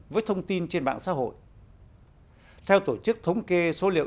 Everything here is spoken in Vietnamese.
với thông tin trên mạng xã hội theo tổ chức thống kê số liệu